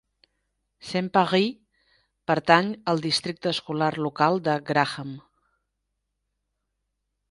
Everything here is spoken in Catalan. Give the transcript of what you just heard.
Saint Paris pertany al districte escolar local de Graham.